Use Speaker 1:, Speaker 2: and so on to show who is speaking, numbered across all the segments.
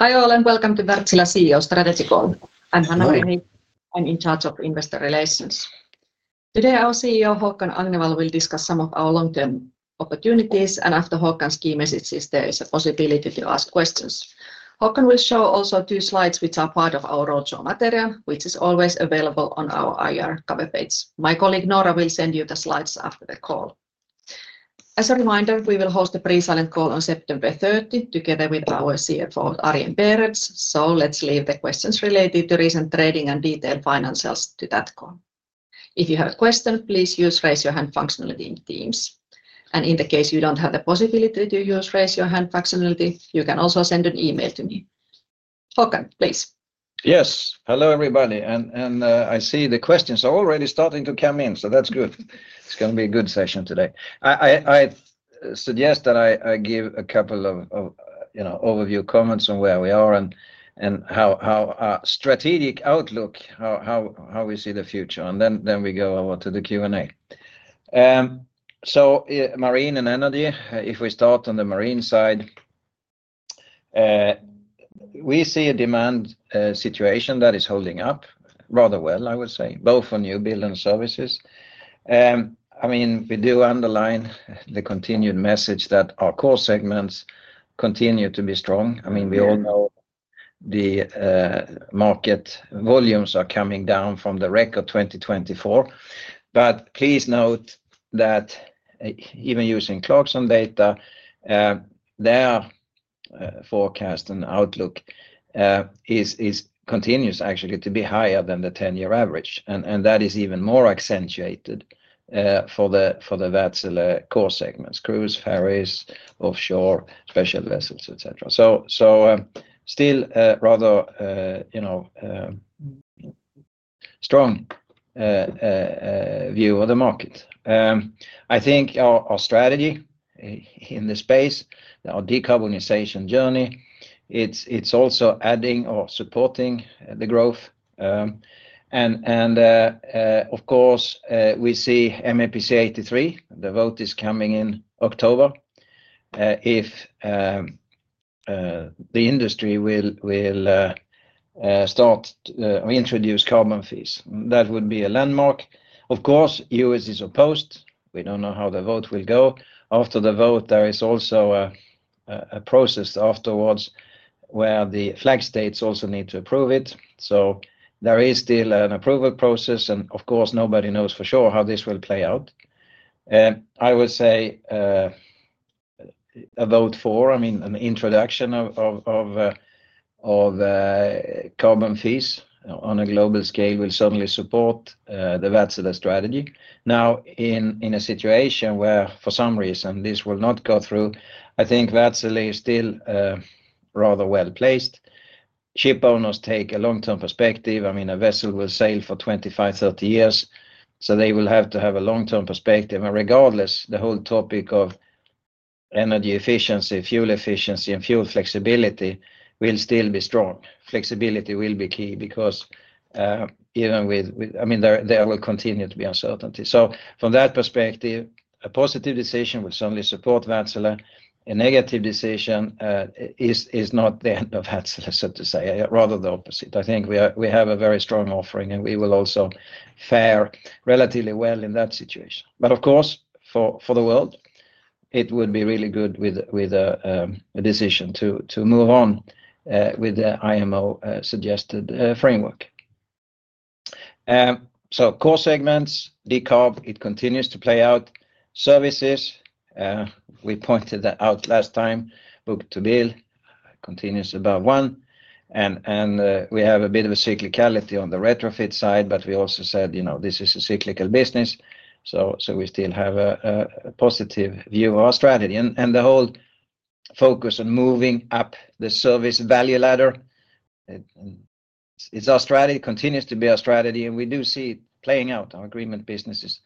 Speaker 1: Hi all and welcome to Wärtsilä Strategy Call. I'm Hanna-Maria Heikkinen. I'm in charge of Investor Relations. Today, our CEO, Håkan Agnevall, will discuss some of our long-term opportunities, and after Håkan's key messages, there is a possibility to ask questions. Håkan will show also two slides which are part of our roadshow material, which is always available on our IR cover page. My colleague Noora will send you the slides after the call. As a reminder, we will host a pre-silent call on September 30 together with our CFO, Arjen Berends. Let's leave the questions related to recent trading and detailed financials to that call. If you have a question, please use raise your hand functionality in Teams. In the case you don't have the possibility to use raise your hand functionality, you can also send an email to me. Håkan, please.
Speaker 2: Yes, hello everybody. I see the questions are already starting to come in. That's good. It's going to be a good session today. I suggest that I give a couple of overview comments on where we are and how our strategic outlook, how we see the future. Then we go over to he Q&A. Marine and Energy, if we start on the marine side, we see a demand situation that is holding up rather well, I would say, both for new build and services. We do underline the continued message that our core segments continue to be strong. We all know the market volumes are coming down from the record 2024. Please note that even using Clarkson data, their forecast and outlook is continuous actually to be higher than the 10-year average. That is even more accentuated for the Wärtsilä core segments: Cruise, Ferries, Offshore, Special vessels, etc. Still rather strong view of the market. I think our strategy in the space, our decarbonization journey, it's also adding or supporting the growth. We see MEPC 83. The vote is coming in October. If the industry will start to introduce carbon fees, that would be a landmark. The U.S. is opposed. We don't know how the vote will go. After the vote, there is also a process afterwards where the flag states also need to approve it. There is still an approval process. Nobody knows for sure how this will play out. I would say a vote for, I mean, an introduction of carbon fees on a global scale will certainly support the Wärtsilä strategy. In a situation where for some reason this will not go through, I think Wärtsilä is still rather well placed. Shipowners take a long-term perspective. A vessel will sail for 25, 30 years. They will have to have a long-term perspective. Regardless, the whole topic of energy efficiency, fuel efficiency, and fuel flexibility will still be strong. Flexibility will be key because even with, I mean, there will continue to be uncertainty. From that perspective, a positive decision will certainly support Wärtsilä. A negative decision is not the end of Wärtsilä, rather the opposite. I think we have a very strong offering and we will also fare relatively well in that situation. For the world, it would be really good with a decision to move on with the IMO suggested framework. Core segments, decarb, it continues to play out. Services, we pointed that out last time, book-to-bill continues above one. We have a bit of a cyclicality on the retrofit side, but we also said this is a cyclical business. We still have a positive view of our strategy. The whole focus on moving up the service value ladder continues to be our strategy. We do see it playing out. Our agreement business is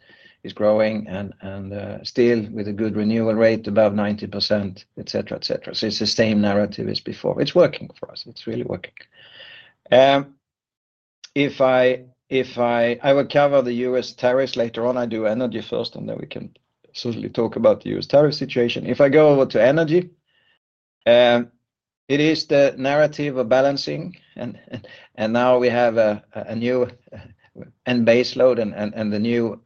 Speaker 2: growing and still with a good renewal rate above 90%, etc. It's the same narrative as before. It's working for us. It's really working. I will cover the U.S. tariffs later on. I do energy first, and then we can certainly talk about the U.S. tariff situation. If I go over to energy, it is the narrative of balancing. Now we have a new end baseload, and the new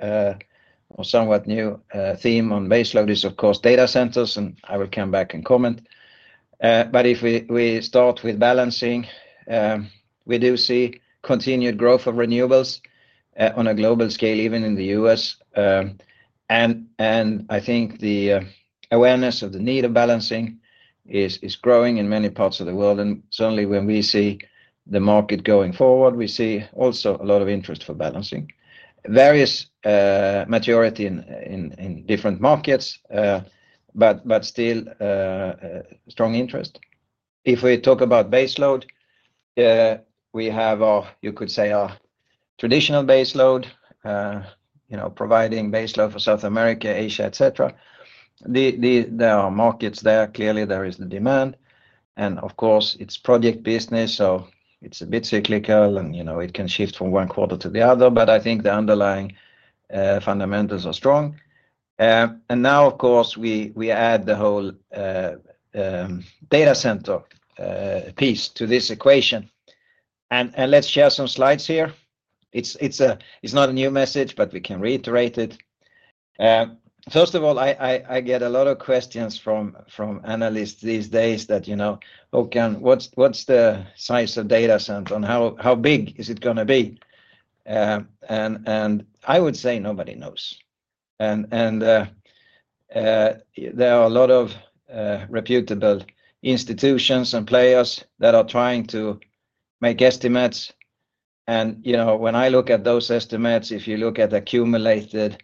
Speaker 2: or somewhat new theme on baseload is, of course, data centers. I will come back and comment. If we start with balancing, we do see continued growth of renewables on a global scale, even in the U.S. I think the awareness of the need of balancing is growing in many parts of the world. Certainly, when we see the market going forward, we see also a lot of interest for balancing. Various maturity in different markets, but still strong interest. If we talk about baseload, we have our traditional baseload, providing baseload for South America, Asia, etc. There are markets there. Clearly, there is the demand. Of course, it's project business, so it's a bit cyclical. It can shift from one quarter to the other. I think the underlying fundamentals are strong. Now, of course, we add the whole data center piece to this equation. Let's share some slides here. It's not a new message, but we can reiterate it. First of all, I get a lot of questions from analysts these days that, you know, Håkan, what's the size of the data center and how big is it going to be? I would say nobody knows. There are a lot of reputable institutions and players that are trying to make estimates. When I look at those estimates, if you look at accumulated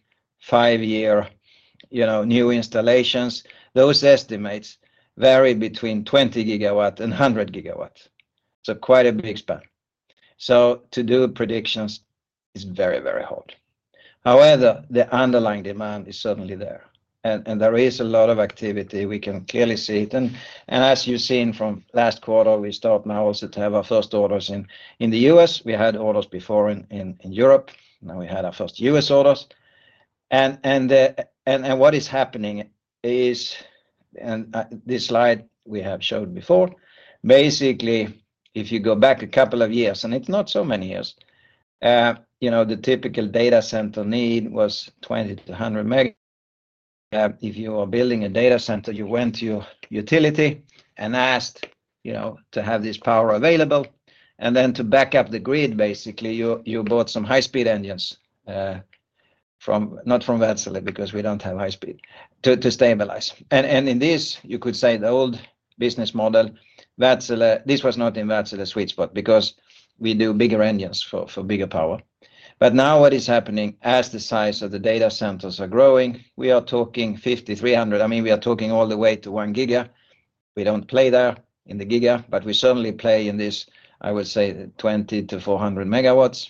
Speaker 2: five-year new installations, those estimates vary between 20 GW and 100 GW. Quite a big span. To do predictions is very, very hard. However, the underlying demand is certainly there. There is a lot of activity. We can clearly see it. As you've seen from last quarter, we start now also to have our first orders in the U.S. We had orders before in Europe. Now we had our first U.S. orders. What is happening is, and this slide we have showed before, basically, if you go back a couple of years, and it's not so many years, you know, the typical data center need was 20-100 MW. If you are building a data center, you went to your utility and asked, you know, to have this power available. Then to back up the grid, basically, you bought some high-speed engines, not from Wärtsilä because we don't have high speed, to stabilize. In this, you could say the old business model, Wärtsilä, this was not in Wärtsilä's sweet spot because we do bigger engines for bigger power. Now what is happening, as the size of the data centers are growing, we are talking 5,300. I mean, we are talking all the way to 1 GW. We don't play there in the giga, but we certainly play in this, I would say, 20-400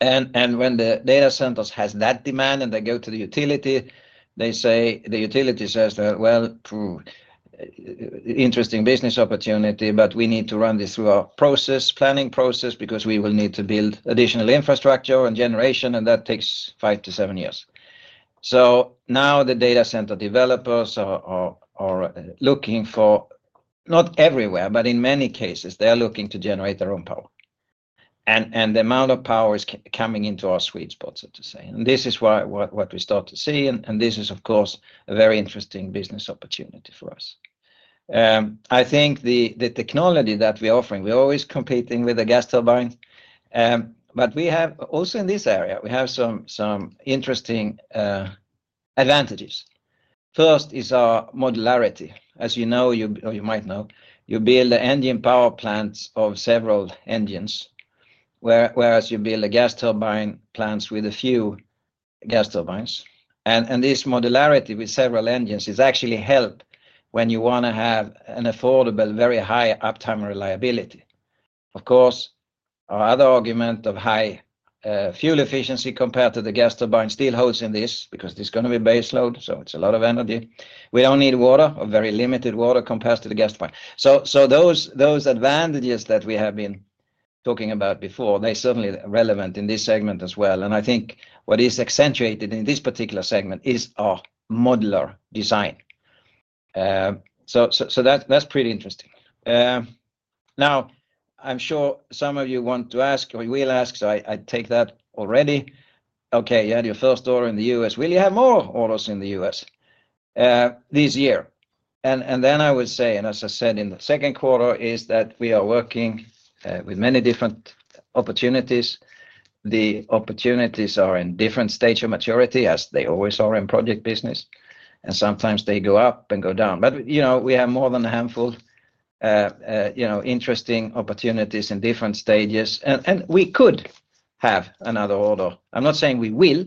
Speaker 2: MW. When the data centers have that demand and they go to the utility, they say, the utility says that, interesting business opportunity, but we need to run this through our process, planning process, because we will need to build additional infrastructure and generation, and that takes five to seven years. Now the data center developers are looking for, not everywhere, but in many cases, they're looking to generate their own power. The amount of power is coming into our sweet spot, so to say. This is what we start to see. This is, of course, a very interesting business opportunity for us. I think the technology that we're offering, we're always competing with the gas turbines. We have also in this area, we have some interesting advantages. First is our modularity. As you know, or you might know, you build engine power plants of several engines, whereas you build a gas turbine plant with a few gas turbines. This modularity with several engines is actually help when you want to have an affordable, very high uptime reliability. Of course, our other argument of high fuel efficiency compared to the gas turbine still holds in this because it's going to be baseload. It's a lot of energy. We don't need water or very limited water compared to the gas turbine. Those advantages that we have been talking about before, they certainly are relevant in this segment as well. I think what is accentuated in this particular segment is our modular design. That's pretty interesting. I'm sure some of you want to ask or will ask, so I take that already. OK, you had your first order in the U.S. Will you have more orders in the U.S. this year? As I said in the second quarter, we are working with many different opportunities. The opportunities are in different stages of maturity, as they always are in project business. Sometimes they go up and go down. We have more than a handful of interesting opportunities in different stages. We could have another order. I'm not saying we will,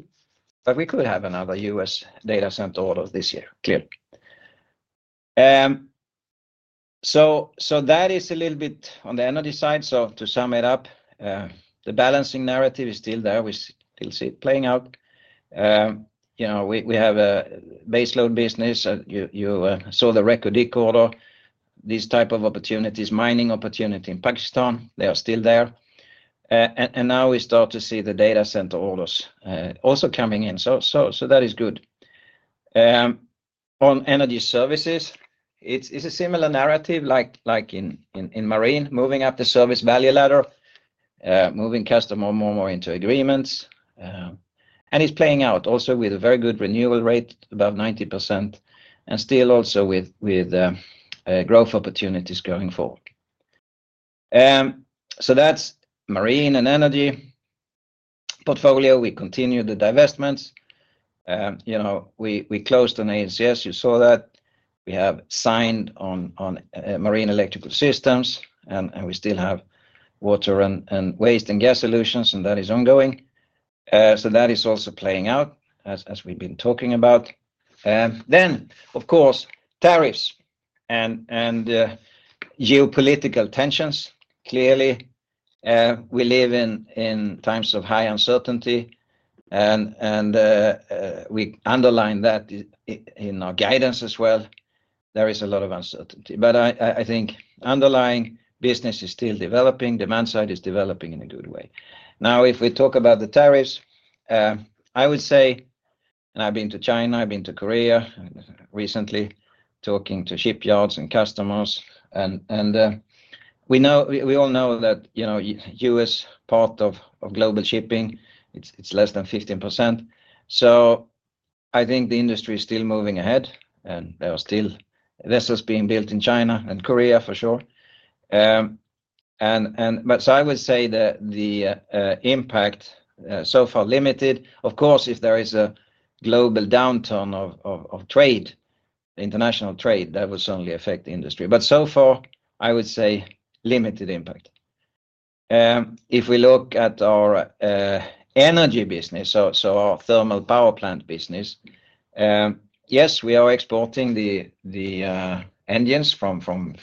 Speaker 2: but we could have another U.S. data center order this year, clearly. That is a little bit on the energy side. To sum it up, the balancing narrative is still there. We still see it playing out. We have a baseload business. You saw the record decoder, these types of opportunities, mining opportunities in Pakistan, they are still there. Now we start to see the data center orders also coming in. That is good. On energy services, it's a similar narrative like in Marine, moving up the service value ladder, moving customers more and more into agreements. It's playing out also with a very good renewal rate, about 90%, and still also with growth opportunities going forward. That's Marine and Energy portfolio. We continue the divestments. We closed on ANCS. You saw that. We have signed on marine electrical systems. We still have Water and Waste and Gas solutions, and that is ongoing. That is also playing out, as we've been talking about. Of course, tariffs and geopolitical tensions, clearly. We live in times of high uncertainty. We underline that in our guidance as well. There is a lot of uncertainty. I think underlying business is still developing. Demand side is developing in a good way. Now, if we talk about the tariffs, I would say, I've been to China, I've been to Korea recently, talking to shipyards and customers. We know, we all know that U.S. part of global shipping, it's less than 15%. I think the industry is still moving ahead. There are still vessels being built in China and Korea, for sure. I would say that the impact so far is limited. Of course, if there is a global downturn of trade, the international trade, that will certainly affect the industry. So far, I would say limited impact. If we look at our Energy business, our thermal power plant business, yes, we are exporting the engines from Helsinki,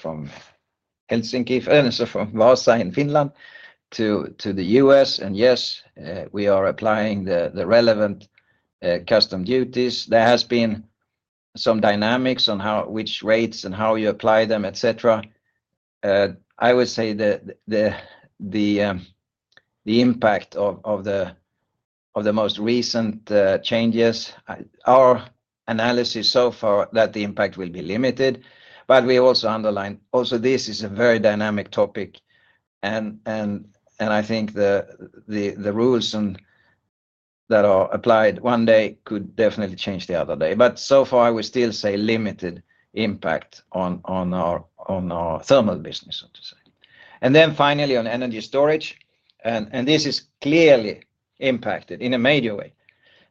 Speaker 2: from Vaasa in Finland, to the U.S. Yes, we are applying the relevant custom duties. There has been some dynamics on which rates and how you apply them, etc. I would say that the impact of the most recent changes, our analysis so far is that the impact will be limited. We also underline, this is a very dynamic topic. I think the rules that are applied one day could definitely change the other day. So far, we still say limited impact on our thermal business, so to say. Finally, on energy storage, this is clearly impacted in a major way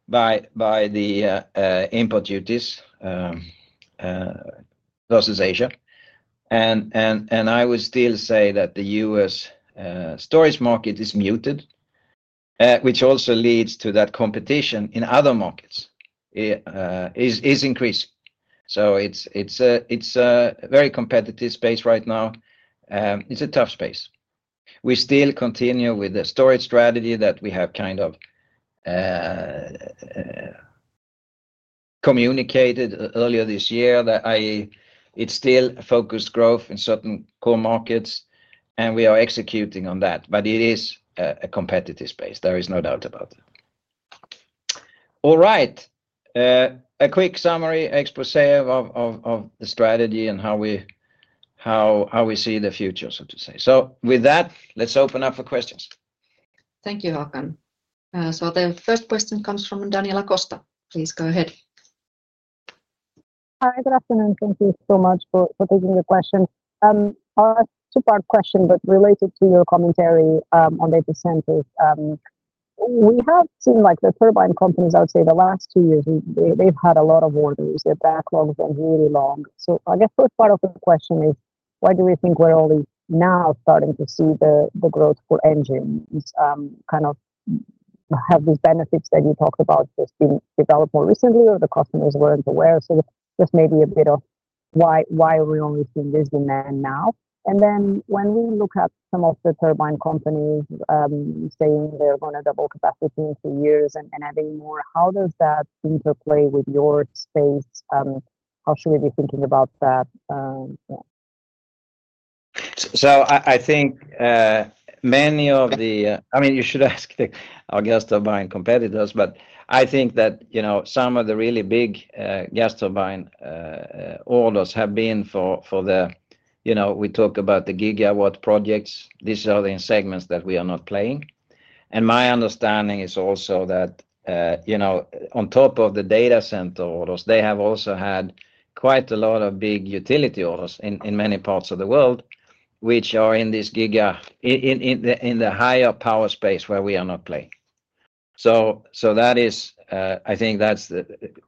Speaker 2: by the import duties, those in Asia. I would still say that the U.S. storage market is muted, which also leads to competition in other markets increasing. It is a very competitive space right now. It's a tough space. We still continue with the storage strategy that we have kind of communicated earlier this year, that is, it's still a focused growth in certain core markets. We are executing on that. It is a competitive space. There is no doubt about it. All right. A quick summary, exposé of the strategy and how we see the future, so to say. With that, let's open up for questions.
Speaker 1: Thank you, Håkan. The first question comes from Daniela Costa. Please go ahead.
Speaker 3: Hi. Good afternoon. Thank you so much for taking the question. I have a two-part question, but related to your commentary on data centers. We have seen, like the turbine companies, I would say, the last two years, they've had a lot of orders. Their backlogs are really long. I guess the first part of the question is, why do we think we're only now starting to see the growth for engines? Have these benefits that you talked about just been developed more recently, or the customers weren't aware? Maybe a bit of why are we only seeing this demand now? When we look at some of the turbine companies saying they're going to double capacity in two years and adding more, how does that interplay with your space? How should we be thinking about that?
Speaker 2: I think many of the, I mean, you should ask our gas turbine competitors, but I think that some of the really big gas turbine orders have been for the, you know, we talk about the gigawatt projects. These are the segments that we are not playing. My understanding is also that, on top of the data center orders, they have also had quite a lot of big utility orders in many parts of the world, which are in this giga, in the higher power space where we are not playing. I think that's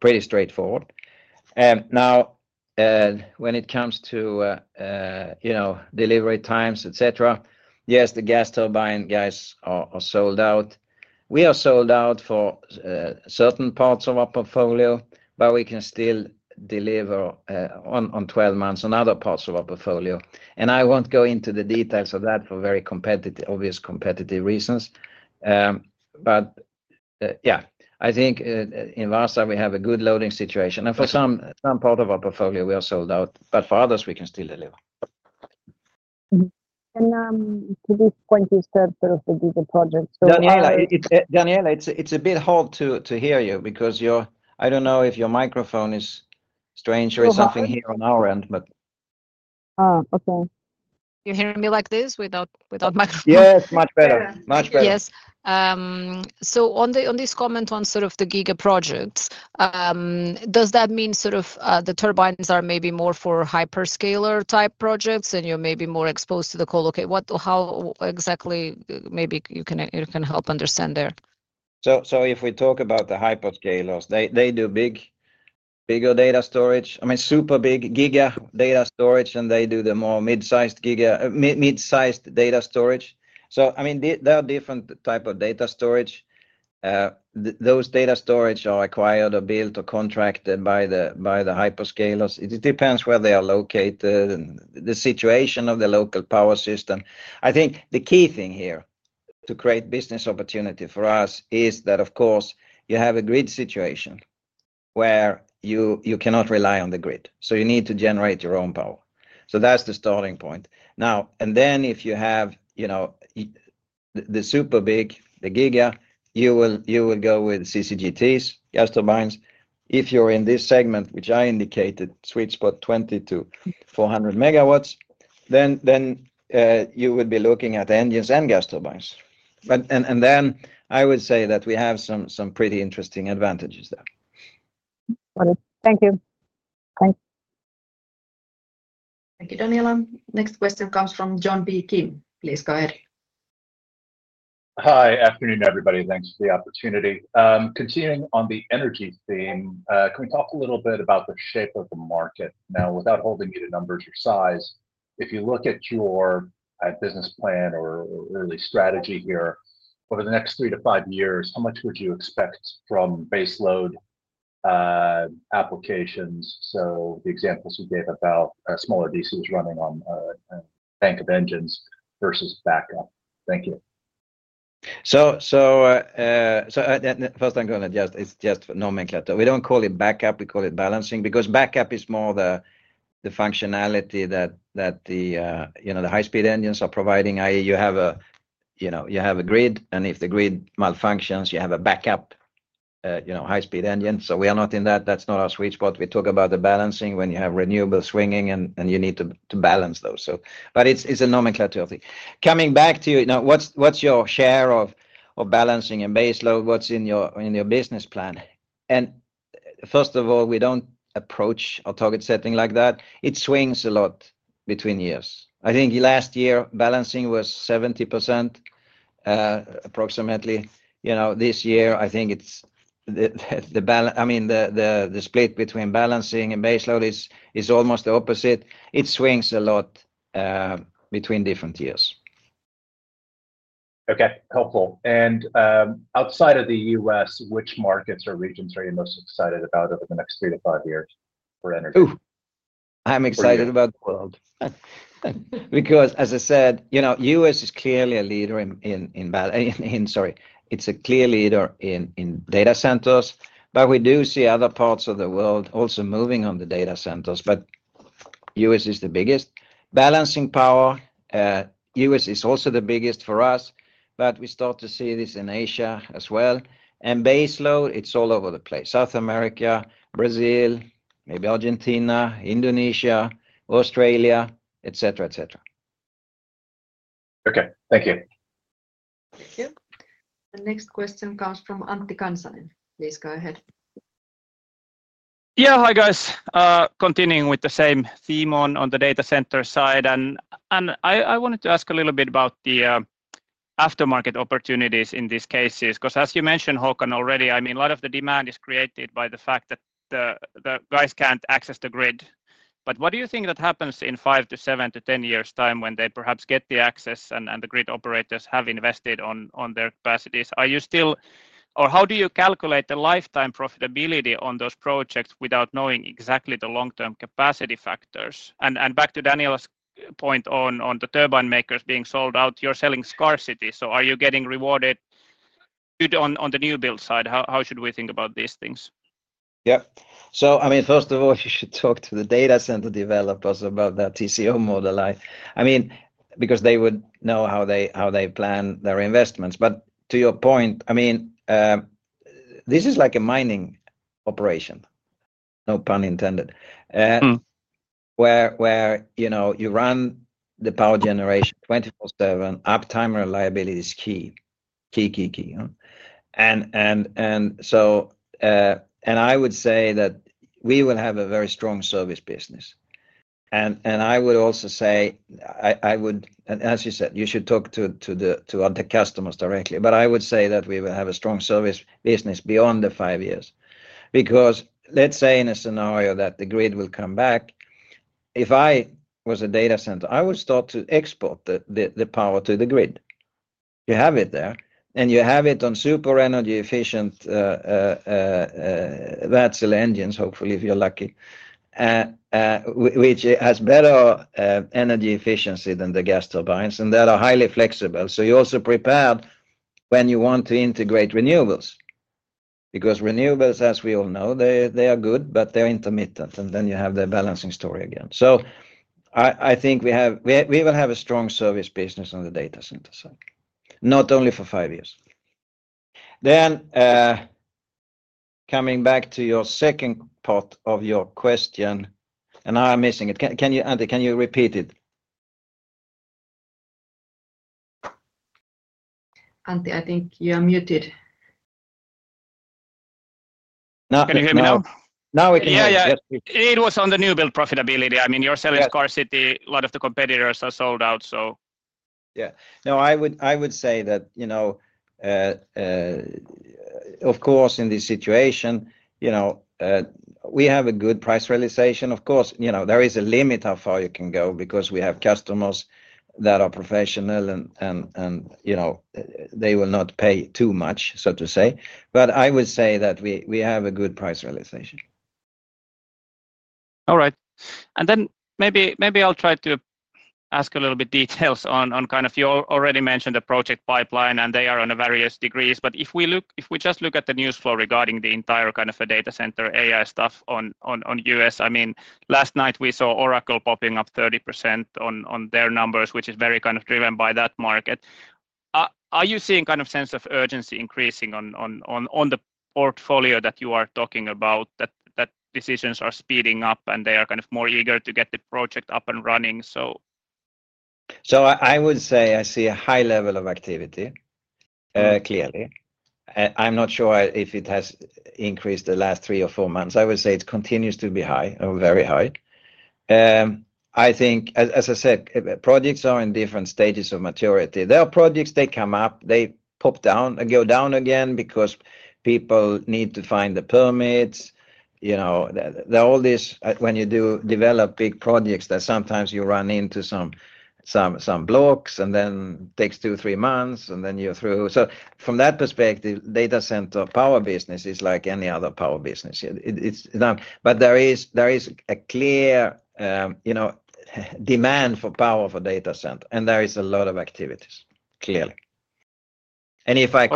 Speaker 2: pretty straightforward. Now, when it comes to delivery times, etc., yes, the gas turbine guys are sold out. We are sold out for certain parts of our portfolio, but we can still deliver on 12 months on other parts of our portfolio. I won't go into the details of that for very obvious competitive reasons. I think in Vaasa, we have a good loading situation. For some part of our portfolio, we are sold out. For others, we can still deliver.
Speaker 3: To this point, you said sort of the giga projects.
Speaker 2: Daniela, it's a bit hard to hear you because I don't know if your microphone is strange or something here on our end.
Speaker 3: Oh, OK. You hearing me like this without microphone?
Speaker 2: Yes, much better. Much better.
Speaker 3: Yes, on this comment on the giga projects, does that mean the turbines are maybe more for hyperscaler type projects and you're maybe more exposed to the co-locate? How exactly can you help understand there?
Speaker 2: If we talk about the hyperscalers, they do bigger data storage. I mean, super big giga data storage. They do the more mid-sized data storage. There are different types of data storage. Those data storage are acquired or built or contracted by the hyperscalers. It depends where they are located, the situation of the local power system. I think the key thing here to create business opportunity for us is that, of course, you have a grid situation where you cannot rely on the grid. You need to generate your own power. That's the starting point. If you have the super big, the giga, you will go with CCGTs, gas turbines. If you're in this segment, which I indicated, sweet spot 20 to 400 MW, then you would be looking at engines and gas turbines. I would say that we have some pretty interesting advantages there.
Speaker 3: Thank you.
Speaker 1: Thank you, Daniela. Next question comes from John B. Kim. Please go ahead.
Speaker 4: Hi. Afternoon, everybody. Thanks for the opportunity. Continuing on the energy theme, can we talk a little bit about the shape of the market? Now, without holding to numbers or size, if you look at your business plan or early strategy here, over the next three to five years, how much would you expect from baseload applications? The examples you gave about smaller data centers running on a bank of engines versus backup. Thank you.
Speaker 2: First, I'm going to, just for nomenclature, we don't call it backup. We call it balancing because backup is more the functionality that the high-speed engines are providing, i.e., you have a grid, and if the grid malfunctions, you have a backup high-speed engine. We are not in that. That's not our sweet spot. We talk about the balancing when you have renewable swinging and you need to balance those. It's a nomenclature thing. Coming back to you, now, what's your share of balancing and baseload? What's in your business plan? First of all, we don't approach our target setting like that. It swings a lot between years. I think last year, balancing was 70% approximately. This year, I think it's the balance. I mean, the split between balancing and baseload is almost the opposite. It swings a lot between different years.
Speaker 4: OK, helpful. Outside of the U.S., which markets or regions are you most excited about over the next three to five years for energy?
Speaker 2: I'm excited about the world because, as I said, you know, the U.S. is clearly a leader in, sorry, it's a clear leader in data centers. We do see other parts of the world also moving on the data centers. The U.S. is the biggest. Balancing power, the U.S. is also the biggest for us. We start to see this in Asia as well. Baseload, it's all over the place. South America, Brazil, maybe Argentina, Indonesia, Australia, etc., etc.
Speaker 4: OK, thank you.
Speaker 1: Thank you. Next question comes from Antti Kansanen. Please go ahead.
Speaker 5: Yeah, hi, guys. Continuing with the same theme on the data center side, I wanted to ask a little bit about the aftermarket opportunities in these cases because, as you mentioned, Håkan, already, a lot of the demand is created by the fact that the guys can't access the grid. What do you think happens in five to seven to 10 years' time when they perhaps get the access and the grid operators have invested in their capacities? Are you still, or how do you calculate the lifetime profitability on those projects without knowing exactly the long-term capacity factors? Back to Daniela's point on the turbine makers being sold out, you're selling scarcity. Are you getting rewarded on the new build side? How should we think about these things?
Speaker 2: Yeah. First of all, you should talk to the data center developers about their TCO model because they would know how they plan their investments. To your point, this is like a mining operation, no pun intended, where you run the power generation 24/7. Uptime reliability is key, key, key, key. I would say that we will have a very strong service business. I would also say, as you said, you should talk to the customers directly. I would say that we will have a strong service business beyond the five years because let's say in a scenario that the grid will come back, if I was a data center, I would start to export the power to the grid. You have it there. You have it on super energy efficient Wärtsilä engines, hopefully, if you're lucky, which has better energy efficiency than the gas turbines. They are highly flexible, so you're also prepared when you want to integrate renewables because renewables, as we all know, they are good, but they're intermittent. You have the balancing story again. I think we will have a strong service business on the data center side, not only for five years. Coming back to your second part of your question, and I'm missing it. Can you, Antti, can you repeat it?
Speaker 1: Antti, I think you are muted.
Speaker 5: Can you hear me now?
Speaker 2: Now we can hear you.
Speaker 5: It was on the new build profitability. I mean, you're selling scarcity. A lot of the competitors are sold out.
Speaker 2: I would say that, you know, of course, in this situation, you know, we have a good price realization. Of course, you know, there is a limit of how you can go because we have customers that are professional. You know, they will not pay too much, so to say. I would say that we have a good price realization.
Speaker 5: All right. Maybe I'll try to ask a little bit of details on your already mentioned the project pipeline. They are on various degrees. If we just look at the news flow regarding the entire kind of data center AI stuff in the U.S., last night we saw Oracle popping up 30% on their numbers, which is very driven by that market. Are you seeing a sense of urgency increasing on the portfolio that you are talking about, that decisions are speeding up and they are more eager to get the project up and running?
Speaker 2: I would say I see a high level of activity, clearly. I'm not sure if it has increased the last three or four months. I would say it continues to be high or very high. As I said, projects are in different stages of maturity. There are projects that come up. They pop down and go down again because people need to find the permits. You know, when you do develop big projects, sometimes you run into some blocks. It takes two, three months, and then you're through. From that perspective, the data center power business is like any other power business. There is a clear demand for power for data center, and there is a lot of activities, clearly. If I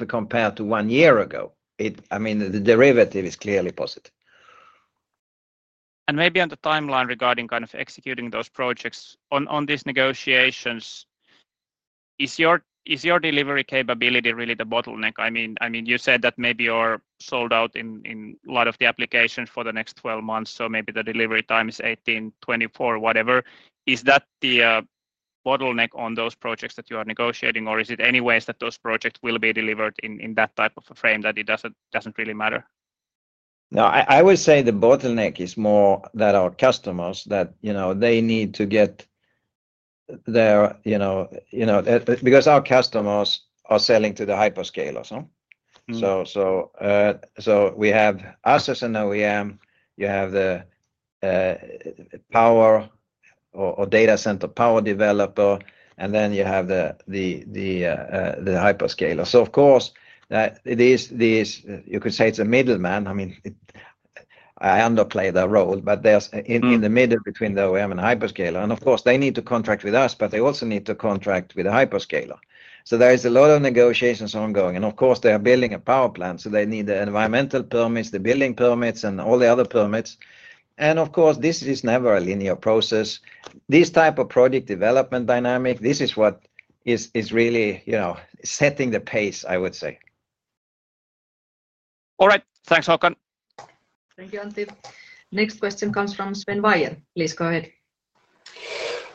Speaker 2: compare to one year ago, the derivative is clearly positive.
Speaker 5: Maybe on the timeline regarding kind of executing those projects on these negotiations, is your delivery capability really the bottleneck? I mean, you said that maybe you're sold out in a lot of the applications for the next 12 months. Maybe the delivery time is 18, 24, whatever. Is that the bottleneck on those projects that you are negotiating? Is it any ways that those projects will be delivered in that type of a frame that it doesn't really matter?
Speaker 2: No, I would say the bottleneck is more that our customers, that they need to get their, you know, because our customers are selling to the hyperscalers. We have us as an OEM, you have the power or data center power developer, and then you have the hyperscaler. Of course, you could say it's a middleman. I mean, I underplay that role, but there's in the middle between the OEM and hyperscaler. Of course, they need to contract with us, but they also need to contract with the hyperscaler. There is a lot of negotiations ongoing. They are building a power plant, so they need the environmental permits, the building permits, and all the other permits. This is never a linear process. This type of project development dynamic is what is really, you know, setting the pace, I would say.
Speaker 5: All right. Thanks, Håkan.
Speaker 1: Thank you, Antti. Next question comes from Sven Weier. Please go ahead.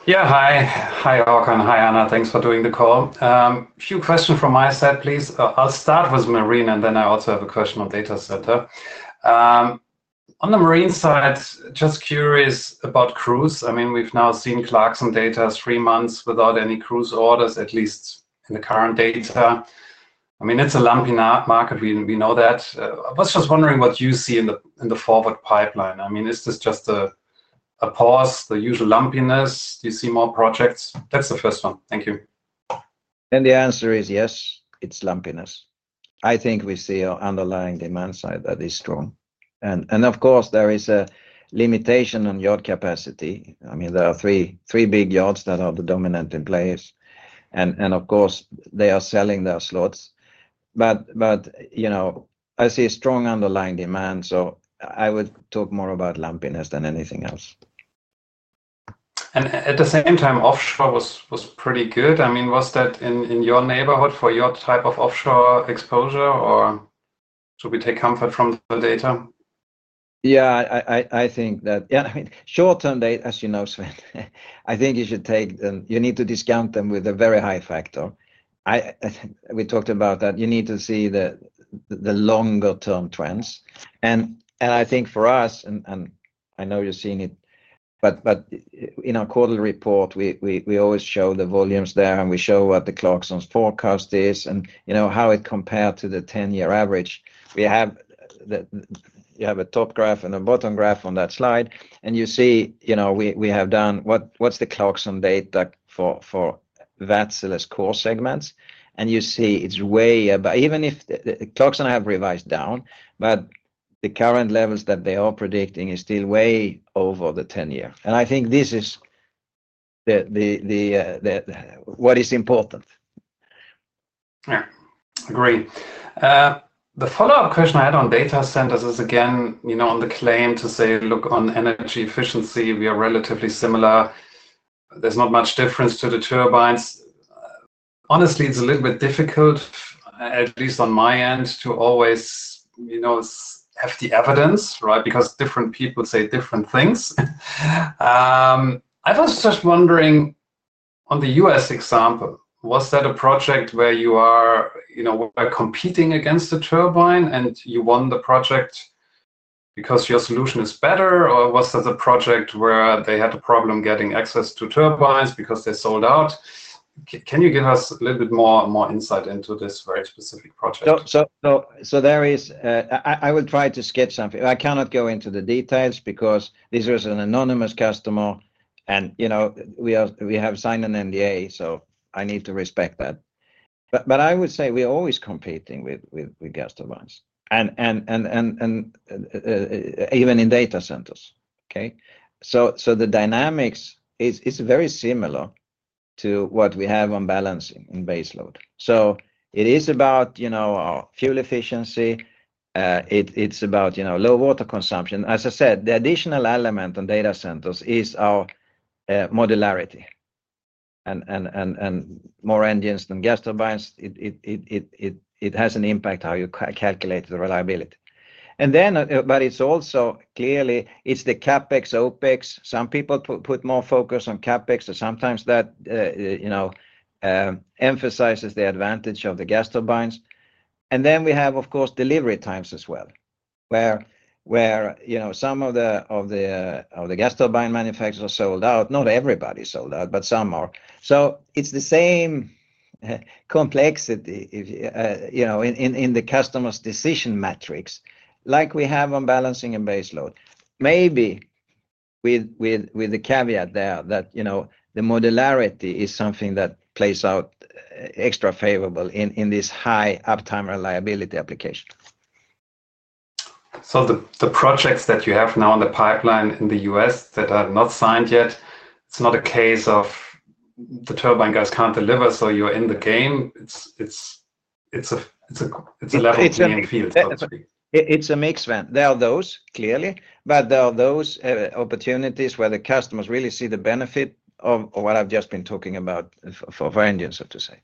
Speaker 6: Yeah, hi. Hi, Håkan. Hi, Hanna. Thanks for doing the call. A few questions from my side, please. I'll start with marine, and then I also have a question on data center. On the Marine side, just curious about cruise. We've now seen Clarkson data, three months without any cruise orders, at least in the current data. It's a lumpy market, we know that. I was just wondering what you see in the forward pipeline. Is this just a pause, the usual lumpiness? Do you see more projects? That's the first one. Thank you.
Speaker 2: Yes, it's lumpiness. I think we see an underlying demand side that is strong. There is a limitation on yacht capacity. There are three big yachts that are the dominant in place. They are selling their slots. I see a strong underlying demand. I would talk more about lumpiness than anything else.
Speaker 6: At the same time, offshore was pretty good. I mean, was that in your neighborhood for your type of offshore exposure? Or should we take comfort from the data?
Speaker 2: Yeah, I think that, yeah, I mean, short-term data, as you know, Sven, I think you should take them. You need to discount them with a very high factor. We talked about that. You need to see the longer-term trends. I think for us, and I know you're seeing it, but in our quarterly report, we always show the volumes there. We show what the Clarkson forecast is and how it compares to the 10-year average. You have a top graph and a bottom graph on that slide. You see, we have done what's the Clarkson data for Wärtsilä's core segments. You see it's way above, even if Clarkson has revised down. The current levels that they are predicting are still way over the 10-year. I think this is what is important.
Speaker 6: Yeah, agreed. The follow-up question I had on data centers is, again, you know, on the claim to say, look, on energy efficiency, we are relatively similar. There's not much difference to the turbines. Honestly, it's a little bit difficult, at least on my end, to always, you know, have the evidence, right, because different people say different things. I was just wondering, on the U.S. example, was that a project where you are, you know, competing against a turbine and you won the project because your solution is better? Or was that a project where they had a problem getting access to turbines because they sold out? Can you give us a little bit more insight into this very specific project?
Speaker 2: There is, I would try to sketch something. I cannot go into the details because this was an anonymous customer, and you know, we have signed an NDA. I need to respect that. I would say we are always competing with gas turbines, even in data centers. The dynamics is very similar to what we have on balancing and baseload. It is about, you know, our fuel efficiency. It's about, you know, low water consumption. As I said, the additional element on data centers is our modularity. More engines than gas turbines has an impact on how you calculate the reliability. It's also clearly the CapEx, OpEx. Some people put more focus on CapEx, so sometimes that, you know, emphasizes the advantage of the gas turbines. We have, of course, delivery times as well, where, you know, some of the gas turbine manufacturers are sold out. Not everybody is sold out, but some are. It's the same complexity, you know, in the customer's decision matrix like we have on balancing and baseload, maybe with the caveat there that, you know, the modularity is something that plays out extra favorable in this high uptime reliability application.
Speaker 6: The projects that you have now in the pipeline in the U.S. that are not signed yet, it's not a case of the turbine guys can't deliver, so you're in the game. It's a level playing field.
Speaker 2: It's a mixed event. There are those, clearly, but there are those opportunities where the customers really see the benefit of what I've just been talking about for engines, so to say.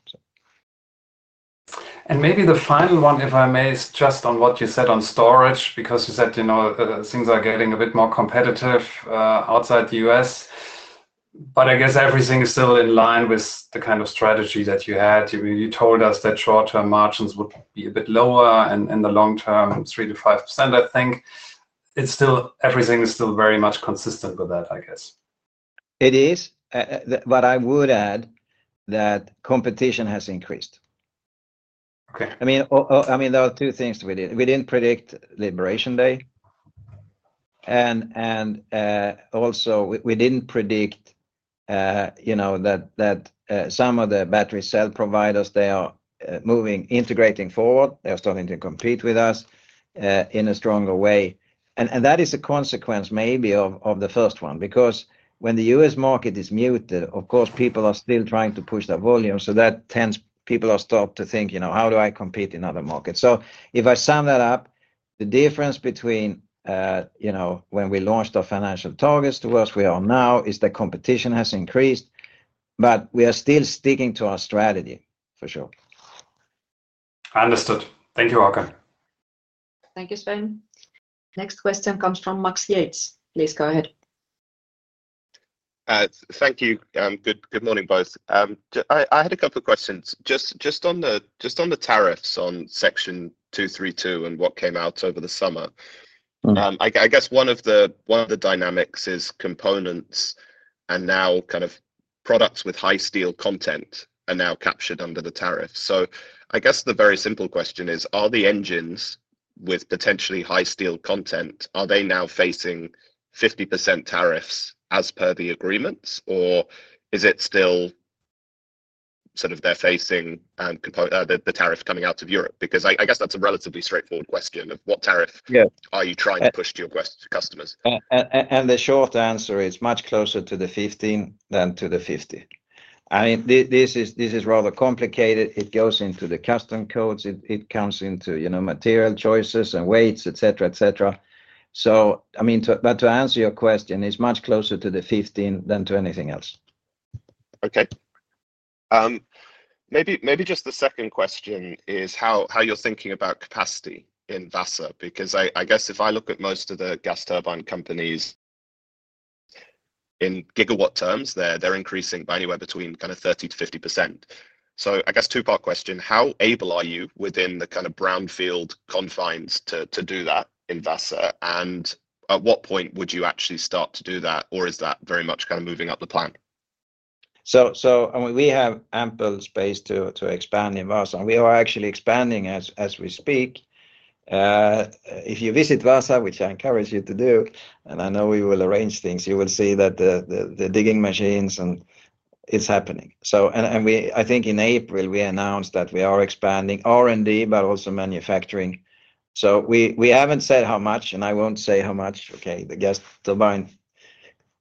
Speaker 6: Maybe the final one, if I may, is just on what you said on storage because you said, you know, things are getting a bit more competitive outside the U.S. I guess everything is still in line with the kind of strategy that you had. You told us that short-term margins would be a bit lower and in the long term, 3%-5%, I think. It's still, everything is still very much consistent with that, I guess.
Speaker 2: It is. I would add that competition has increased. There are two things we did. We didn't predict Liberation Day. We didn't predict that some of the battery cell providers are moving, integrating forward. They are starting to compete with us in a stronger way. That is a consequence maybe of the first one because when the U.S. market is muted, people are still trying to push their volume. That tends people to stop to think, you know, how do I compete in other markets? If I sum that up, the difference between when we launched our financial targets to where we are now is that competition has increased. We are still sticking to our strategy, for sure.
Speaker 6: Understood. Thank you, Håkan.
Speaker 1: Thank you, Sven. Next question comes from Max Yatesv. Please go ahead.
Speaker 7: Thank you. Good morning, both. I had a couple of questions. Just on the tariffs on Section 232 and what came out over the summer, I guess one of the dynamics is components and now kind of products with high steel content are now captured under the tariffs. I guess the very simple question is, are the engines with potentially high steel content, are they now facing 50% tariffs as per the agreements? Or is it still sort of they're facing the tariff coming out of Europe? I guess that's a relatively straightforward question of what tariff are you trying to push to your customers?
Speaker 2: The short answer is much closer to the 15% than to the 50%. This is rather complicated. It goes into the custom codes. It comes into, you know, material choices and weights, etc., etc. To answer your question, it's much closer to the 15% than to anything else.
Speaker 7: OK. Maybe just the second question is how you're thinking about capacity in Vaasa because I guess if I look at most of the gas turbine companies in gigawatt terms, they're increasing by anywhere between kind of 30%-50%. I guess two-part question. How able are you within the kind of brownfield confines to do that in Vaasa? At what point would you actually start to do that? Is that very much kind of moving up the plank?
Speaker 2: We have ample space to expand in Vaasa. We are actually expanding as we speak. If you visit Vaasa, which I encourage you to do, and I know we will arrange things, you will see the digging machines and it's happening. In April, we announced that we are expanding R&D, but also manufacturing. We haven't said how much. I won't say how much. The gas turbine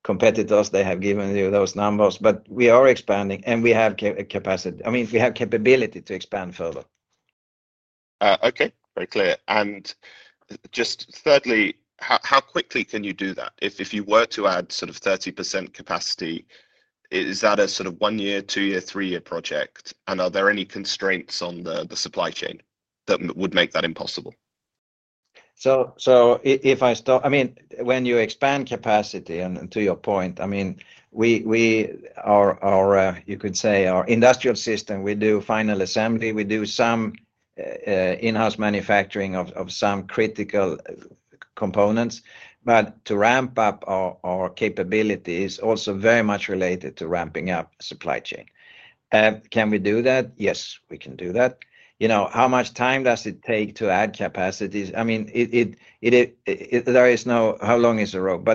Speaker 2: competitors have given you those numbers. We are expanding, and we have capacity. We have capability to expand further.
Speaker 7: OK, very clear. Just thirdly, how quickly can you do that? If you were to add sort of 30% capacity, is that a sort of one-year, two-year, three-year project? Are there any constraints on the supply chain that would make that impossible?
Speaker 2: When you expand capacity, and to your point, we are, you could say, our industrial system, we do final assembly. We do some in-house manufacturing of some critical components. To ramp up our capability is also very much related to ramping up supply chain. Can we do that? Yes, we can do that. How much time does it take to add capacities? There is no, how long is the road?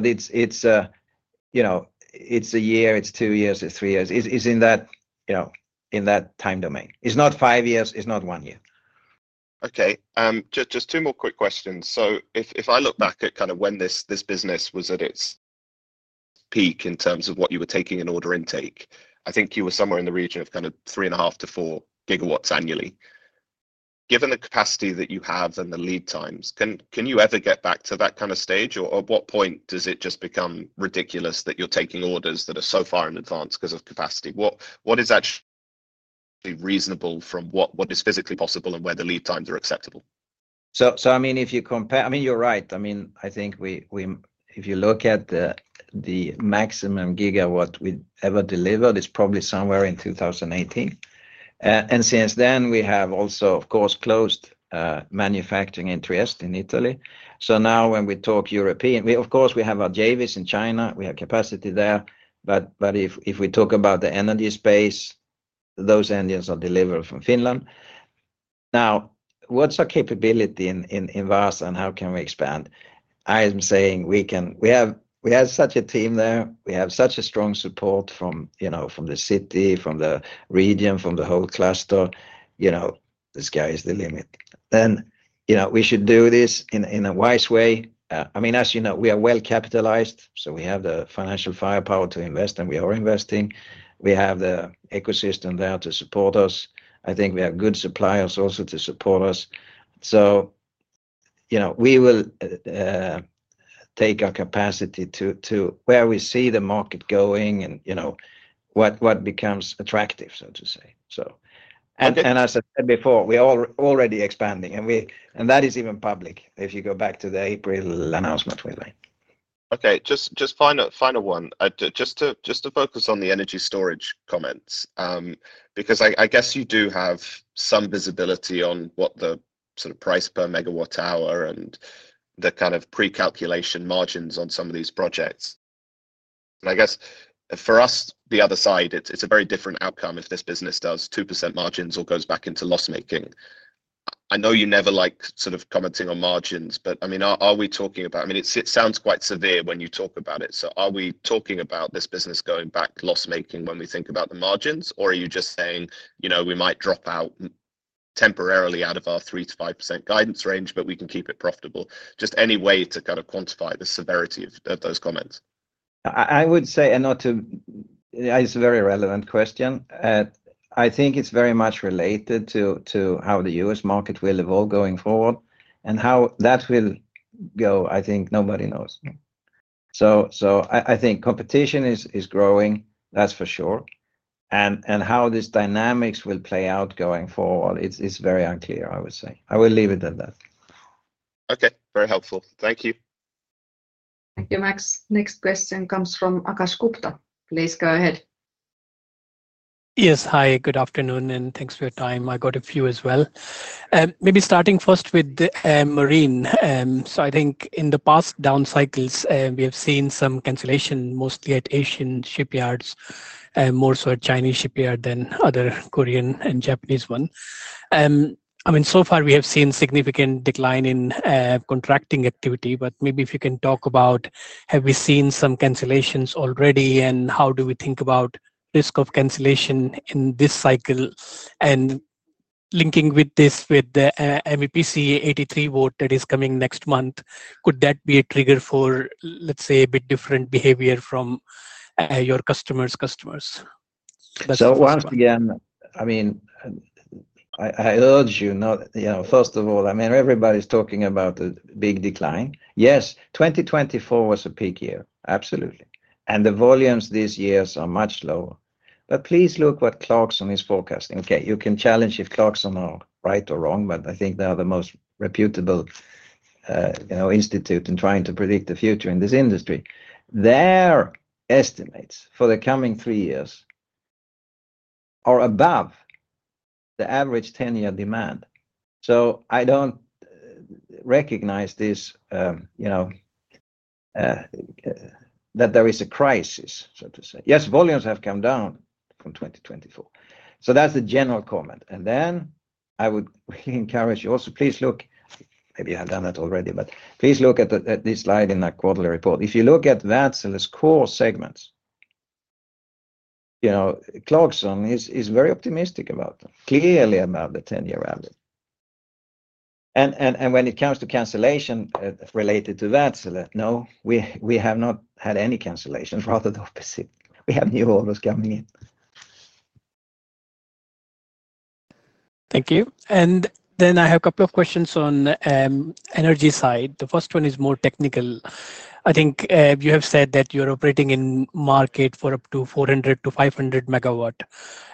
Speaker 2: It is a year, it is two years, it is three years. It is in that time domain. It is not five years. It is not one year.
Speaker 7: OK. Just two more quick questions. If I look back at kind of when this business was at its peak in terms of what you were taking in order intake, I think you were somewhere in the region of kind of 3.5-4 GW annually. Given the capacity that you have and the lead times, can you ever get back to that kind of stage? At what point does it just become ridiculous that you're taking orders that are so far in advance because of capacity? What is actually reasonable from what is physically possible and where the lead times are acceptable?
Speaker 2: If you compare, you're right. I think if you look at the maximum gigawatt we ever delivered, it's probably somewhere in 2018. Since then, we have also, of course, closed manufacturing interests in Italy. Now when we talk European, we have our JVs in China. We have capacity there. If we talk about the energy space, those engines are delivered from Finland. Now, what's our capability in Vaasa and how can we expand? I am saying we have such a team there. We have such a strong support from the city, from the region, from the whole cluster. You know, the sky is the limit. We should do this in a wise way. As you know, we are well capitalized. We have the financial firepower to invest, and we are investing. We have the ecosystem there to support us. I think we have good suppliers also to support us. We will take our capacity to where we see the market going and what becomes attractive, so to say. As I said before, we are already expanding, and that is even public if you go back to the April announcement we made.
Speaker 7: OK, just final one. Just to focus on the energy storage comments, because I guess you do have some visibility on what the sort of price per megawatt hour and the kind of pre-calculation margins on some of these projects. I guess for us, the other side, it's a very different outcome if this business does 2% margins or goes back into loss-making. I know you never like sort of commenting on margins. I mean, are we talking about, I mean, it sounds quite severe when you talk about it. Are we talking about this business going back loss-making when we think about the margins? Are you just saying, you know, we might drop out temporarily out of our 3%-5% guidance range, but we can keep it profitable? Just any way to kind of quantify the severity of those comments.
Speaker 2: I would say it's a very relevant question. I think it's very much related to how the U.S. market will evolve going forward. How that will go, I think nobody knows. I think competition is growing, that's for sure. How these dynamics will play out going forward is very unclear, I would say. I will leave it at that.
Speaker 7: OK, very helpful. Thank you.
Speaker 1: Thank you, Max. Next question comes from Akash Gupta. Please go ahead.
Speaker 8: Yes, hi. Good afternoon, and thanks for your time. I got a few as well. Maybe starting first with marine. I think in the past down cycles, we have seen some cancellation, mostly at Asian shipyards, more so at Chinese shipyards than other Korean and Japanese ones. I mean, so far, we have seen a significant decline in contracting activity. Maybe if you can talk about, have we seen some cancellations already? How do we think about the risk of cancellation in this cycle? Linking this with the MEPC 83 vote that is coming next month, could that be a trigger for, let's say, a bit different behavior from your customers' customers?
Speaker 2: Once again, I urge you, first of all, everybody's talking about the big decline. Yes, 2024 was a peak year, absolutely, and the volumes this year are much lower. Please look at what Clarkson is forecasting. You can challenge if Clarkson are right or wrong, but I think they are the most reputable institute in trying to predict the future in this industry. Their estimates for the coming three years are above the average 10-year demand. I don't recognize this, that there is a crisis, so to say. Yes, volumes have come down from 2024. That's a general comment. I would really encourage you also, please look, maybe I've done that already, but please look at this slide in our quarterly report. If you look at Wärtsilä's core segments, Clarkson is very optimistic about them, clearly about the 10-year rally. When it comes to cancellation related to Wärtsilä, no, we have not had any cancellations. Rather the opposite. We have new orders coming in.
Speaker 8: Thank you. I have a couple of questions on the energy side. The first one is more technical. I think you have said that you're operating in a market for up to 400-500 MW.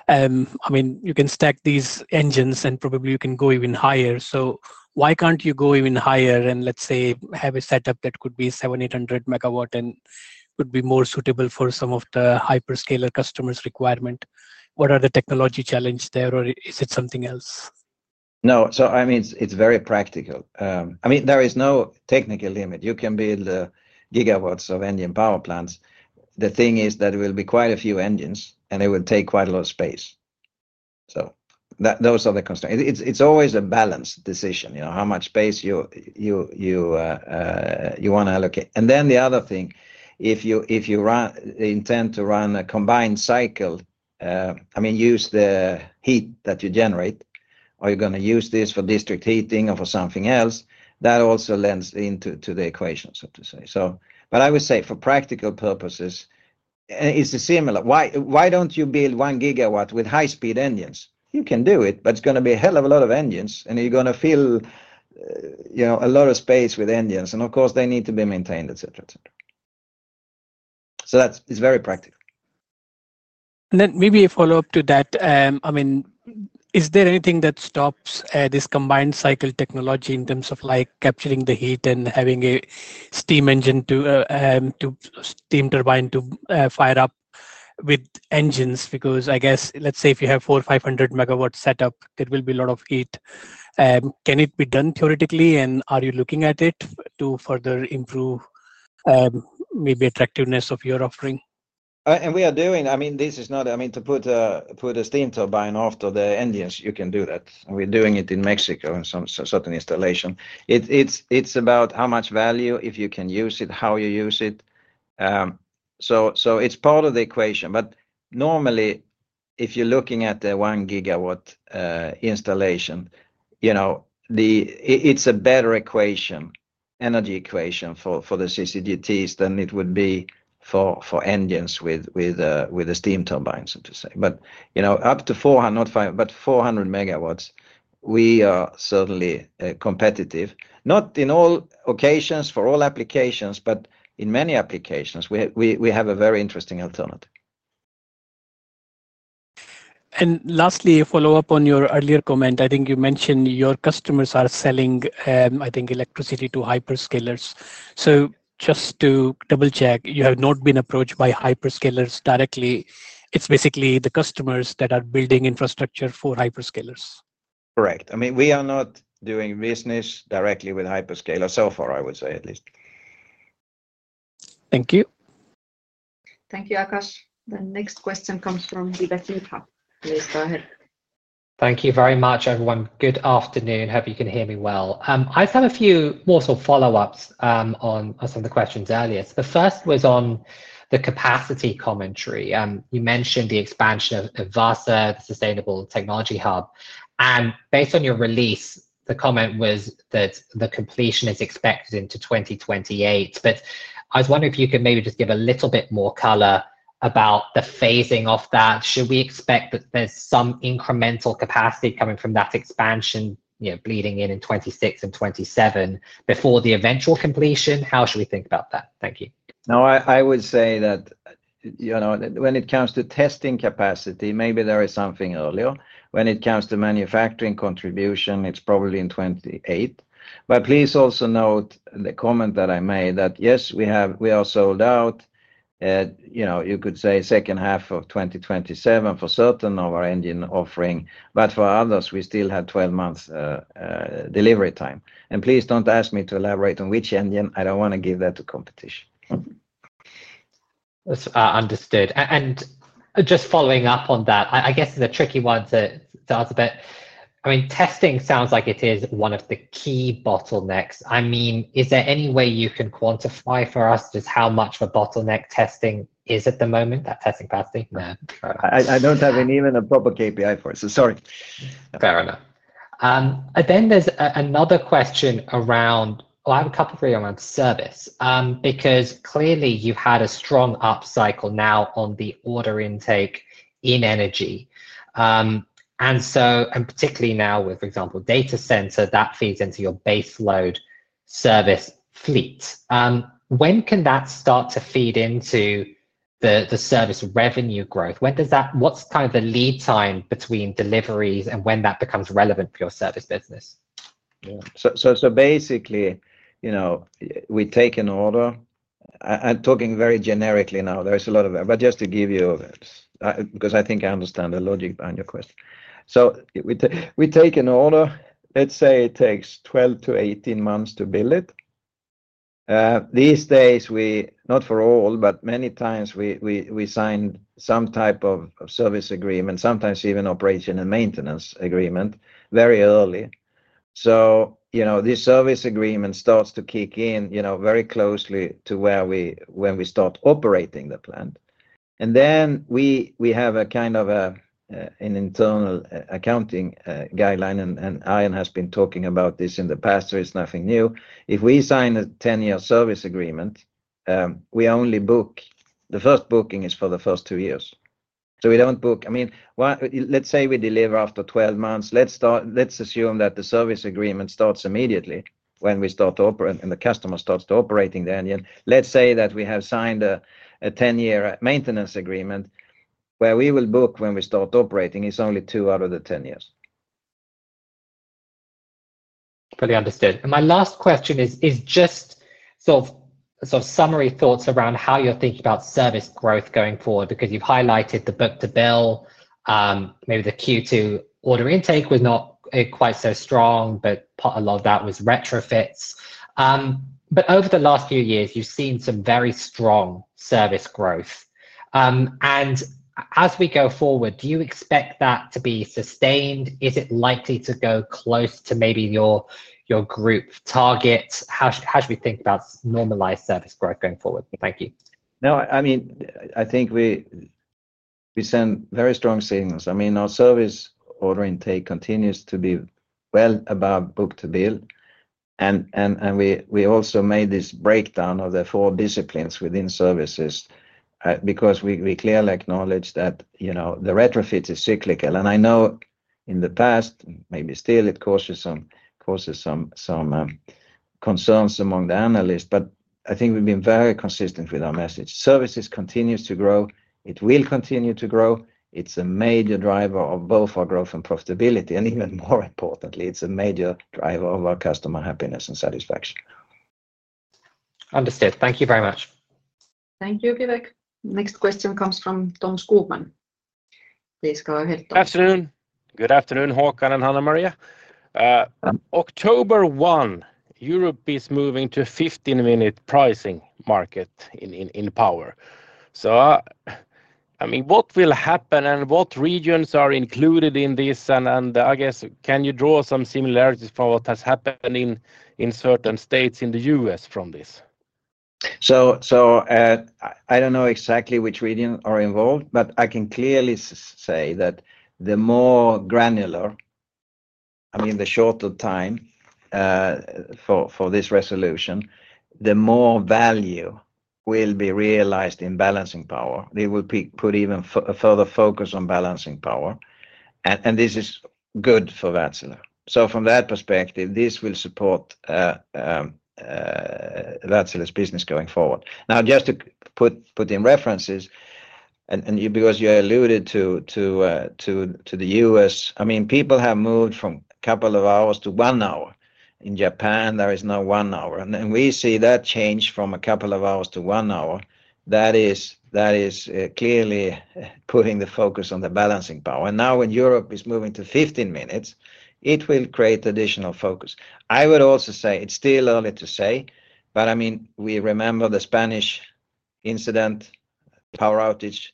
Speaker 8: I mean, you can stack these engines, and probably you can go even higher. Why can't you go even higher and have a setup that could be 700, 800 MW and could be more suitable for some of the hyperscaler customers' requirements? What are the technology challenges there? Is it something else?
Speaker 2: No. I mean, it's very practical. There is no technical limit. You can build gigawatts of engine power plants. The thing is that it will be quite a few engines, and it will take quite a lot of space. Those are the constraints. It's always a balanced decision, you know, how much space you want to allocate. The other thing, if you intend to run a combined cycle, I mean, use the heat that you generate. Are you going to use this for district heating or for something else? That also lends into the equation, so to say. For practical purposes, it's similar. Why don't you build 1 GW with high-speed engines? You can do it, but it's going to be a hell of a lot of engines, and you're going to fill a lot of space with engines. Of course, they need to be maintained, etc., etc. That is very practical.
Speaker 8: Maybe a follow-up to that. Is there anything that stops this combined cycle technology in terms of capturing the heat and having a steam engine to steam turbine to fire up with engines? I guess, let's say if you have 400, 500 MW setup, there will be a lot of heat. Can it be done theoretically? Are you looking at it to further improve maybe attractiveness of your offering?
Speaker 2: We are doing, I mean, this is not, I mean, to put a steam turbine after the engines, you can do that. We're doing it in Mexico in some certain installation. It's about how much value, if you can use it, how you use it. It's part of the equation. Normally, if you're looking at the 1 GW installation, it's a better equation, energy equation for the CCGTs than it would be for engines with the steam turbines, so to say. Up to 400, not 500, but 400 MW, we are certainly competitive, not in all occasions, for all applications, but in many applications, we have a very interesting alternative.
Speaker 8: Lastly, a follow-up on your earlier comment. I think you mentioned your customers are selling electricity to hyperscalers. Just to double-check, you have not been approached by hyperscalers directly. It's basically the customers that are building infrastructure for hyperscalers.
Speaker 2: Right. I mean, we are not doing business directly with hyperscalers so far, I would say at least.
Speaker 8: Thank you.
Speaker 1: Thank you, Akash. The next question comes from Vivek Midha. Please go ahead.
Speaker 9: Thank you very much, everyone. Good afternoon. Hope you can hear me well. I have a few more sort of follow-ups on some of the questions earlier. The first was on the capacity commentary. You mentioned the expansion of Vaasa, the Sustainable Technology Hub, and based on your release, the comment was that the completion is expected into 2028. I was wondering if you could maybe just give a little bit more color about the phasing of that. Should we expect that there's some incremental capacity coming from that expansion, bleeding in in 2026 and 2027 before the eventual completion? How should we think about that? Thank you.
Speaker 2: I would say that, you know, when it comes to testing capacity, maybe there is something earlier. When it comes to manufacturing contribution, it's probably in 2028. Please also note the comment that I made that, yes, we are sold out. You could say second half of 2027 for certain of our engine offering. For others, we still have 12 months delivery time. Please don't ask me to elaborate on which engine. I don't want to give that to competition.
Speaker 9: Understood. Just following up on that, I guess it's a tricky one to answer. I mean, testing sounds like it is one of the key bottlenecks. Is there any way you can quantify for us just how much of a bottleneck testing is at the moment, that testing capacity?
Speaker 2: I don't have even a public API for it. Sorry.
Speaker 9: Fair enough. There's another question around service. Clearly, you've had a strong upcycle now on the order intake in energy, and particularly now with, for example, data center, that feeds into your baseload service fleet. When can that start to feed into the service revenue growth? What's kind of the lead time between deliveries and when that becomes relevant for your service business?
Speaker 2: Basically, you know, we take an order. I'm talking very generically now. There is a lot of, but just to give you because I think I understand the logic behind your question. We take an order. Let's say it takes 12-18 months to build it. These days, we, not for all, but many times, we sign some type of service agreement, sometimes even operation and maintenance agreement, very early. This service agreement starts to kick in very closely to when we start operating the plant. We have a kind of an internal accounting guideline. Ayan has been talking about this in the past. It's nothing new. If we sign a 10-year service agreement, we only book the first booking for the first two years. We don't book, I mean, let's say we deliver after 12 months. Let's assume that the service agreement starts immediately when we start to operate. The customer starts to operate the engine. Let's say that we have signed a 10-year maintenance agreement where we will book when we start operating. It's only two out of the 10 years.
Speaker 9: Totally understood. My last question is just sort of summary thoughts around how you're thinking about service growth going forward because you've highlighted the book-to-bill. Maybe the Q2 order intake was not quite so strong. A lot of that was retrofits. Over the last few years, you've seen some very strong service growth. As we go forward, do you expect that to be sustained? Is it likely to go close to maybe your group targets? How should we think about normalized service growth going forward? Thank you.
Speaker 2: I think we send very strong signals. Our service order intake continues to be well above book-to-bill. We also made this breakdown of the four disciplines within services because we clearly acknowledge that the retrofit is cyclical. I know in the past, maybe still, it causes some concerns among the analysts. I think we've been very consistent with our message. Services continue to grow. It will continue to grow. It's a major driver of both our growth and profitability. Even more importantly, it's a major driver of our customer happiness and satisfaction.
Speaker 9: Understood. Thank you very much.
Speaker 1: Thank you, Vivek. Next question comes from Tom Skogman. Please go ahead, Tom.
Speaker 10: Good afternoon. Good afternoon, Håkan and Hanna-Maria. October 1, Europe is moving to a 15-minute pricing market in power. What will happen and what regions are included in this? I guess, can you draw some similarities for what has happened in certain states in the U.S. from this?
Speaker 2: I don't know exactly which regions are involved. I can clearly say that the more granular, I mean, the shorter time for this resolution, the more value will be realized in balancing power. They will put even further focus on balancing power, and this is good for Wärtsilä. From that perspective, this will support Wärtsilä's business going forward. Just to put in references, and because you alluded to the U.S., people have moved from a couple of hours to one hour. In Japan, there is now one hour, and we see that change from a couple of hours to one hour. That is clearly putting the focus on the balancing power. Now when Europe is moving to 15 minutes, it will create additional focus. I would also say it's still early to say. I mean, we remember the Spanish incident, power outage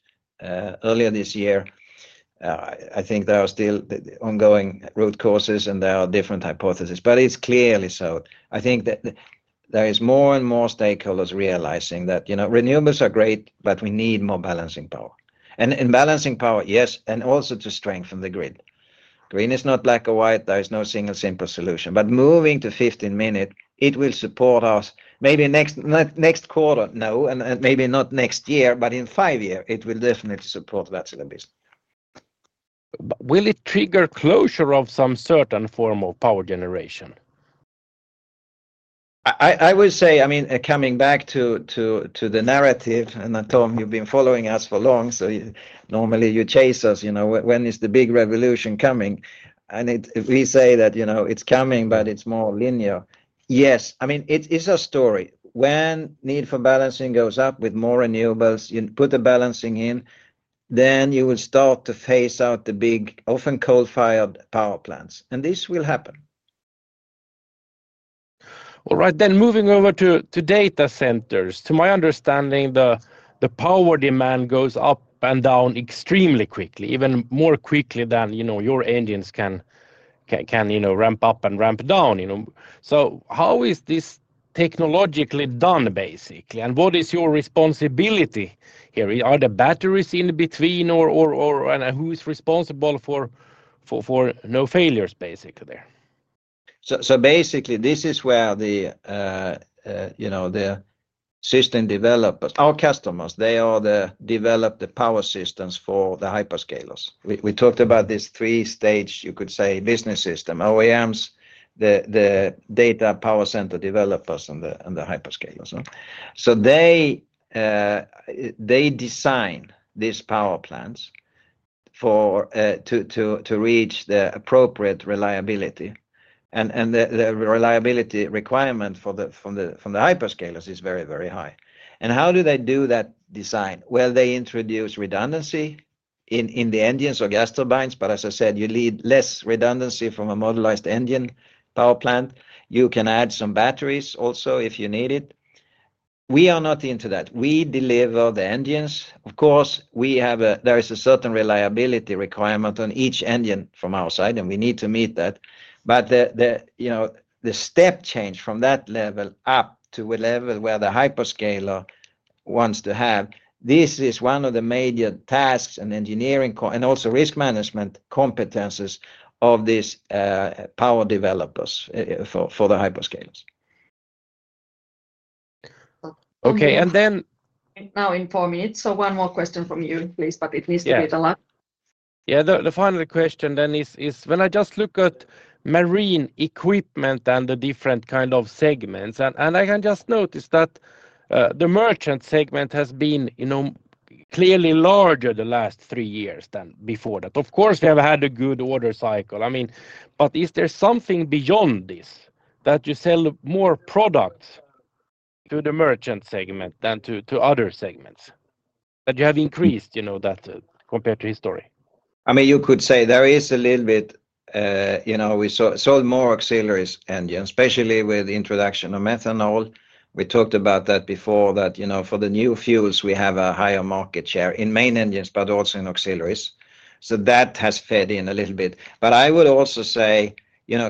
Speaker 2: earlier this year. I think there are still ongoing root causes, and there are different hypotheses, but it's clearly so. I think that there are more and more stakeholders realizing that, you know, renewables are great, but we need more balancing power. Balancing power, yes, and also to strengthen the grid. Green is not black or white. There is no single simple solution. Moving to 15 minutes will support us. Maybe next quarter, no, and maybe not next year, but in five years, it will definitely support Wärtsilä business.
Speaker 10: Will it trigger closure of some certain form of power generation?
Speaker 2: I would say, coming back to the narrative, and Tom, you've been following us for long. Normally, you chase us, you know, when is the big revolution coming? We say that, you know, it's coming, but it's more linear. Yes, it's a story. When the need for balancing goes up with more renewables, you put the balancing in. You will start to phase out the big, often coal-fired power plants. This will happen.
Speaker 10: All right. Moving over to data centers, to my understanding, the power demand goes up and down extremely quickly, even more quickly than, you know, your engines can, you know, ramp up and ramp down. How is this technologically done, basically? What is your responsibility here? Are the batteries in between, or who is responsible for no failures, basically, there?
Speaker 2: Basically, this is where the system developers, our customers, they are the developed power systems for the hyperscalers. We talked about this three-stage, you could say, business system: OEMs, the data power center developers, and the hyperscalers. They design these power plants to reach the appropriate reliability. The reliability requirement from the hyperscalers is very, very high. How do they do that design? They introduce redundancy in the engines or gas turbines. You need less redundancy from a modular engine power plant. You can add some batteries also if you need it. We are not into that. We deliver the engines. Of course, there is a certain reliability requirement on each engine from our side. We need to meet that. The step change from that level up to a level where the hyperscaler wants to have, this is one of the major tasks and engineering and also risk management competencies of these power developers for the hyperscalers.
Speaker 10: OK. Then.
Speaker 1: Now in four minutes. One more question from you, please. It needs to be the last.
Speaker 10: Yeah, the final question then is, when I just look at marine equipment and the different kind of segments, I can just notice that the merchant segment has been clearly larger the last three years than before that. Of course, they have had a good order cycle. I mean, is there something beyond this that you sell more products to the merchant segment than to other segments that you have increased compared to history?
Speaker 2: I mean, you could say there is a little bit, you know, we sold more auxiliary engines, especially with the introduction of methanol. We talked about that before, that, you know, for the new fuels, we have a higher market share in main engines, but also in auxiliaries. That has fed in a little bit. I would also say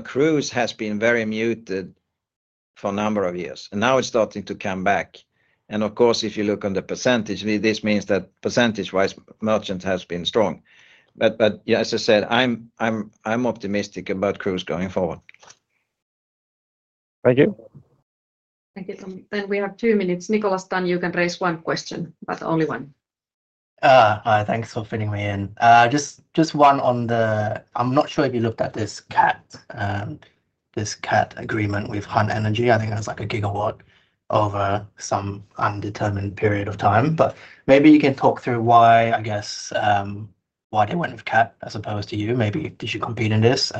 Speaker 2: cruise has been very muted for a number of years. Now it's starting to come back. If you look on the percentage, this means that percentage-wise, merchant has been strong. As I said, I'm optimistic about cruise going forward.
Speaker 10: Thank you.
Speaker 1: Thank you, Tom. We have two minutes. Nicholas Dunn, you can raise one question, but only one.
Speaker 11: Thanks for fitting me in. Just one on the, I'm not sure if you looked at this CAT agreement with Hunt Energy. I think it was like a 1 GW over some undetermined period of time. Maybe you can talk through why, I guess, why they went with CAT as opposed to you. Did you compete in this?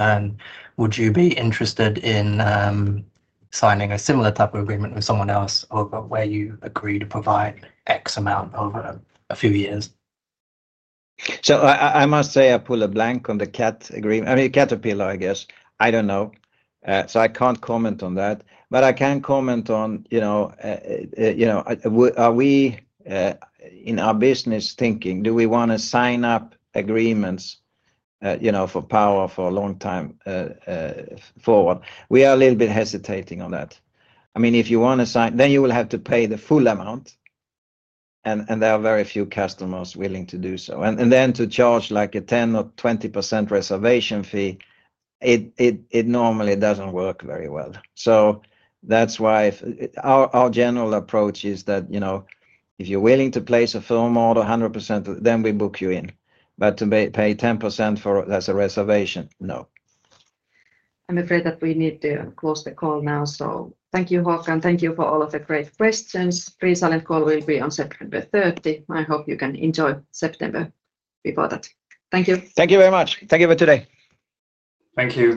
Speaker 11: Would you be interested in signing a similar type of agreement with someone else where you agree to provide X amount over a few years?
Speaker 2: I must say I pull a blank on the CAT agreement. I mean, Caterpillar, I guess. I don't know. I can't comment on that. I can comment on, you know, are we in our business thinking, do we want to sign up agreements, you know, for power for a long-time forward? We are a little bit hesitating on that. I mean, if you want to sign, you will have to pay the full amount. There are very few customers willing to do so. To charge like a 10% or 20% reservation fee, it normally doesn't work very well. That's why our general approach is that, you know, if you're willing to place a firm order 100%, we book you in. To pay 10% as a reservation, no.
Speaker 1: I'm afraid that we need to close the call now. Thank you, Håkan. Thank you for all of the great questions. Pre-silent call will be on September 30. I hope you can enjoy September before that. Thank you.
Speaker 2: Thank you very much. Thank you for today.
Speaker 4: Thank you.